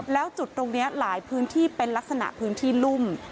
แล้วจุดตรงนี้หลายพื้นที่เป็นลักษณะพื้นที่รุ่ม